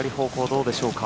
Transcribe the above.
どうでしょうか。